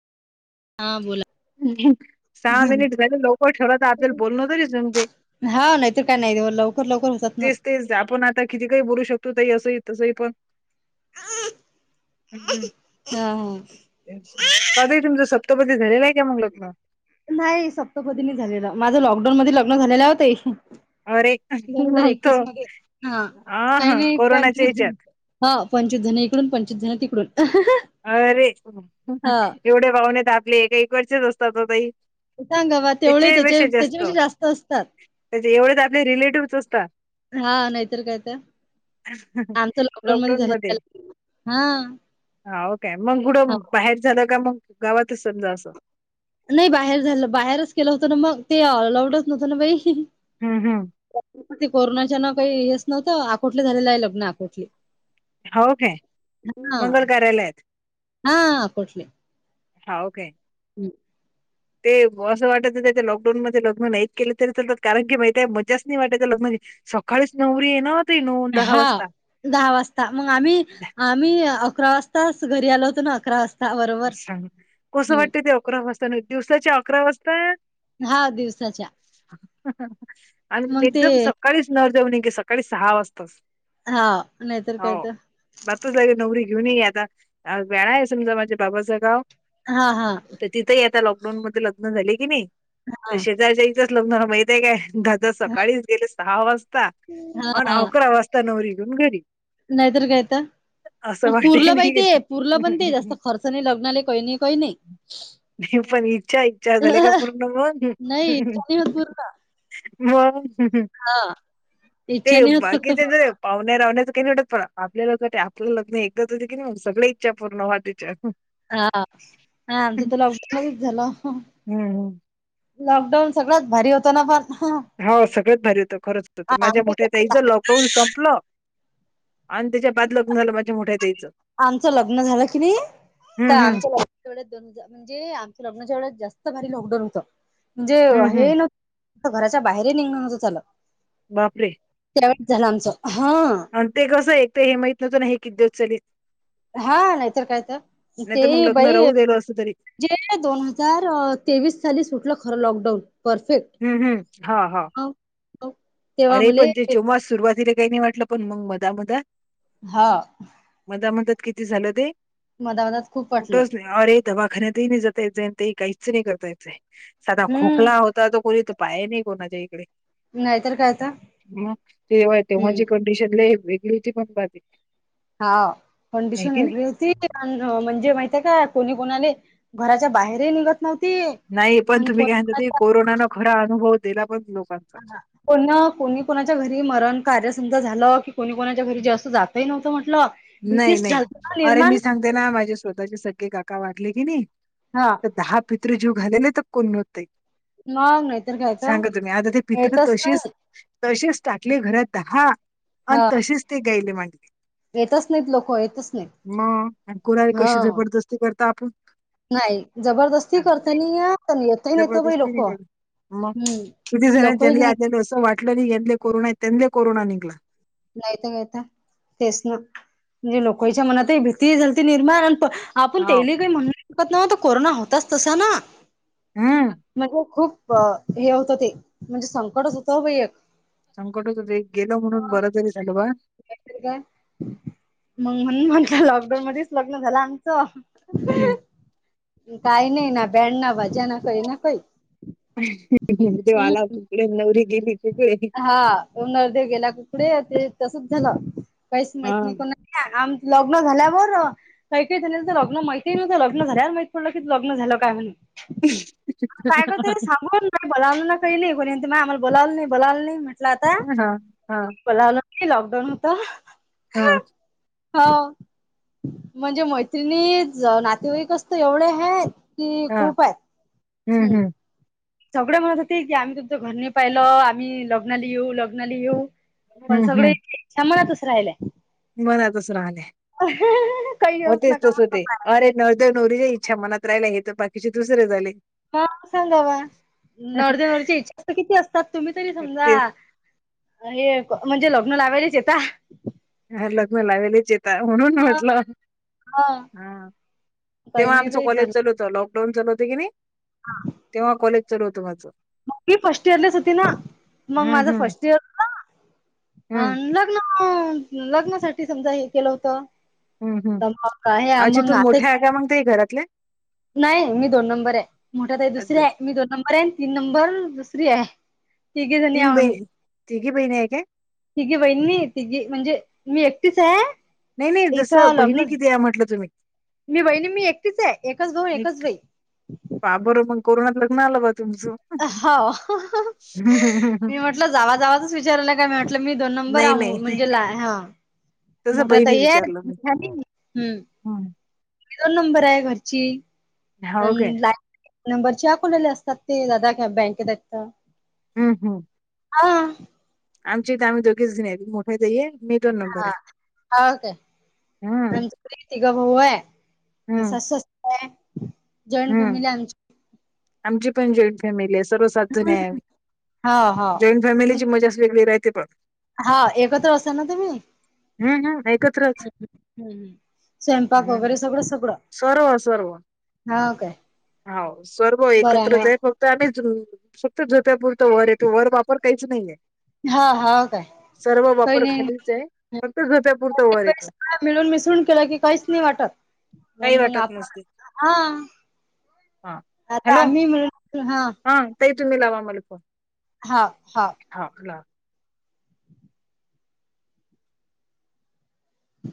हा बोला. सहा मिनिट झाले लवकर ठेव तर आपल्याल बोलणतरी समते हा नाहीतर काय नाही लवकर लवकर होतात ना. तेच ते आपण आता किती काही बोलू शकतो ताई असं ही तसं ही पण हम्म हा हा का त तुमचं सप्तपदी झालेलं आहे का मग लग्न नाही सप्तपदीनी झालेलं माझ लॉकडाऊन मध्ये लग्न झालेलं होतं अरे दोन हजार मग तो एकवीस मध्ये हा हां काही हां नाही कोरोनाच्या पंचवीस ज ह्याच्यात हा पंचधन इकडून पंचधन तिकडून अरे हा. एवढे बाहूनेत आपले एक एकक वर्षच असतात होताही सांगा बा तेवढे त्याच्या त्याच्या पेक्षा जास्त त्याच्यापेक्षा असतात त्या एवढेच आपले रिलेटिव्हच असतात हा नाहीतर काय त्या आमच लॉकडाऊन मध्ये झालं हा हा ओ काेय मग पुढ बाहेर झालं का मग गावातच समजा असं नाही बाहेर झालं बाहेरच केलं होतं ना मग आलाऊड नवतं ना बाई हम् हम् कोरोनाच्या नाव काही हेच नव्हतं आखोटलं झालेलं आहे लग्न आखोटले हो काे मंगल कार्यालयात हा अकोटले हाओ का य हम् ते असं वाटायचं त्याच्या लॉकडाऊन मध्ये लग्न नाहीत केले तरी चालतात कारण की माहिती आहे मजाच नाही वाटतय लोकमधी सकाळीच नवररी ये ना हो त नऊ दहा हा वाजता दहा वाजता मग आम्ही आम्ही अकरा वाजताच घरी आलो होतो ना अकरा वाजता बरोबर सांग कसं हम्म वाटतते ते अकरा वाजता दिवसाच्या अकरा वाजता हा दिवसाच्या आणि मग ते एकदम सकाळी नवरदेव न गे सकाळी सहा वाजता च हा नाहीतर काय तर बातुसला नवरी घेऊन ये आता वेळा आहे समजा माझ्या बाबाचं गाव हा हा तर तिथंही आता लॉकडाऊन मध्ये लग्न झाले की नाही तर हा शेजारच्या इथंच लग्न माहितय काय घत्त हा सकाळीच गेले सहा वाजता हा आणि हा अकरा वाजता च नवरी घेऊन घरी नाहीतर कायत असं वाटे पुूरलं नाही बाई ते गेलं. पुूरलं पण ते जास्त खर्चने लग्नालाले कहीन कही नाही पण इच्छा इच्छा झाल्या का पूर्ण मग नाही इच्छा नाही होत पूर्ण मग हा ते इच्छा नाही होत फक्त पूर्ण बाकीच्याच पाहण्या रावणेयाचं काही वाटत पण आपल्या ल आपलं लग्न एक गत हो की नाही सगळे इच्छा पूर्ण हो्हाते त्या हा हा आमचा त लॉकडाऊनच झाला हं, लॉकडाऊन सगळ्यात भारी होताना फार हो सगळ्यात भारी होतं खरंच होत माझ्या आमचं मोठ्या लॉक होऊन संपलं आणि त्याच्या बाद लग्न झालं माझ्या मोठ्या ताईच आमचं लग्न झालं की नाही तर हं, हं, आमचं लग्न तेवढ्यात दोन ज म्हणजे आमच्या लग्नाच्या वेळेस जास्त भारी लॉकडाऊन होतं म्हणजे हं, हं. हे लग्न घराच्या बाहेर ही निघण न नव्हत झालं बापरे त्यावेळी झालं आमचं हा आणि ते कसं एक ते हे माहित नवतं ना हे किती दिवस चालीत हा नाहीतर काय तर ते नाहीतर मग लग्न बाई राहू दिलं असतं तरी. जे दोन हजार तेवीस साली सुटलं खरं लॉकडाऊन परफेक्ट हम्म हम्म हा हा. हो हो. अरे पण ते चोहास सुरुवातीला काही नाही वाटलं पण मग मधा मध. हा म त्या म्हणतात किती झालं ते मधा मधात खूप वाटलं कुठंच नाही. अरे दवाखान्यातही नाही जातायचे ते काहीच नाही करतायच साधा हम्म खोकला हो ता कोणी तर पाय नाही कोणाच्या इकडे नाहीतर काय आता मग तेव्हाय तेव्हाची कंडिशन लई वेगळी होती पण बाजी हा कंडिशन वेगळी होती. म्हणजे माहितय का कोणी कोणाले घराच्या बाहेरही निघत. नव्हती नाही पण आणि तुम्ही काय कोणी म्हणता ते कोणाच्या कोरोना खरा अनुभव दिला पण लोकांना ह कोण कोणी कोणाच्या घरी मरण कार्य समजा झालं की कोणी कोणाच्या घरी जास्त जातही नव्हतं म्हटलं नाही भीतीच नाही झालती ना अरे मी निर्माण सांगते ना माझे स्वतःचे सख्खे काका वाटले कि नाही. हा. दहा पितृ जीव घालेलेत तर कोण. मग नाहीतर काय तर सांगा तुम्ही आता ते पित्र येतच तशीच नाही तसेच टाकले घरात दहा हा आणि तसेच ते गायले म्हटले येतच नाहीत लोक येतच नाहीत मग आणि कुरारी हा कशी जबरदस्ती करता आपण नाही जबरदस्ती करत नाही या जबरदस्ती निघली मग हम्म तुती जरा लोकही जनली नाही आलेल असं वाट कटलंले [inaudible] कोरोना य त्यांले कोरोना निघला नाहीयत गयता तेच ना म्हणजे लोकच्या मनातही भीती झालती निर्माण आपण हाव. तेली काही म्हणू शकत नवता कोरोना होताच तसा ना हम म्हणजे खूप हे होतं ते म्हणजे संकटच होतं एक संकट होत ते एक गेल म्हणून बरं तरी जरी झालं बा नाहीतरी काय म्हणून म्हणलं लॉकडाऊन मध्येच लग्न झालं आमचं हम्म काय नाहीय ना बेड ना मजा ना काय ना काय तेव आला तकडे नवरी गेली तिकडे. हा नर्दे गेला कुकडे ते तसच झालं काहीच माहत हा नाही कोणा. आम लग्न झाल्यावरर. काही कारी झाल्यालं तर लग्न माहिती आहे नाही तर लग्न झाल्या माहित पडलं की लग्न झालं काय म्हण काय करते सांगून बोलावलं ना कहीली कोणींत म आम्हाला बोलावलं नाही बोलावलं नाही म्हटलं आता हा हा बोलावलं लॉकडाऊन होता हा हो म्हणजे मैत्रिणी नातेवाईकचत एवढे आहेत कि खूप आहेत हं हं सगळें म्हणत होते की आम्ही तुमचं घरने पाहिलं आम्ही लग्नाली येऊ लग्नाला येऊ पण हम्म हम्म सगळ्यांच्या इच्छा मनातच राहिल्या मनातच राहले काही येऊच होतेच नका तस होते म्हणत अरे. नवरदेव नवरीच्या इच्छा मनात राहिला हे तर बाकीचे दुसरे झाले ह सांगावा नवरदेवाचा नवरीच्या इच्छा तर किती असतात तुम्ही तरी समजा तेच हे म्हणजे लग्न लावायलाच आता ह लग्न लावेलेच येतात म्हणून हा म्हटलं हा काही तेव्हा नाही आमच बाई कॉलेज झालं चालू होत लॉक डोन चालू होत की नाही तेव्हा कॉलेज चालवत माझं मगी फर्स्ट इयरलेच होती ना मग हम्म माझं हम्म. फर्स्ट इयर अ हम्म लग लग् लग्नासाठी समजा हे केलं होतं. हम्म हम्म तर मग आहे अच्छा तू मग आता. मोठ्या आहे मग ते घरातले नाही मी दोन नंबर आहे मोठ्या ताई अज दुसरे आहे मी दोन नंबर आहे तीन नंबर दुसरी आहे तिघी जणी तीन आहेत बही आम्ही तिघी बहिणी आहे काय तिघी बहिणी तिघी म्हणजे मी एकटीच आहे. नाही नाही जसं इथं बहिणी लग्न किती आहे? म्हटलं तुम्ही मी बहिणी मी एकटीच आहे. एकच भाऊन एकच बहीण बरोबर मग कोरोना लग्न आलं ब हो [unintelligible] मी म्हटलं जावा जावाचच विचारलं काय म्हटलं मी दोन नंबर नाही आ नाही म्हणजे ला ह तसं मोठ्या ताई आहेत हं हा दोन नंबर आहे घरची अन हो काय लास्ट नंबरच्या आकोल्याला असतात ते दादा बँकेत आहेत हं हं हा आमची इथ आम्ही दोघेच जणी मोठी ताई आहे मी दोन हा नंबर आहे के त [inaudible] हम्म [unintelligible] ग होऊय हम्म जॉईंट हम्म फॅमिली आहे आमची आमची पण जॉईंट फॅमिली आहे सर्व सात जणी आहे हा हा जॉईंट फॅमिलीची मजाच वेगळी राहते पण हा एकत्र असताना तुम्ही हं हं ऐकत्रच हं हं स्वयंपाक वगैरे सगळं सगळं सर्व सर्व हा काय हो सर्व बरं ना एकत्रचे फक्त आम्ही फक्त झोपायपुरतं वर येतो वर वापर काहीच नाहीये हा हा काय सर्व काही वापर नाही खालीच आहे फक्त झोपायापुरत वर येतो मिळून मिसळून केलं की काहीच नाही वाटत म काही मग वाटत आपण नसते हा हा आता हॅलो आम्ही मिळुन हा ताई तुम्ही लावा मला फोन हा हा हा लावा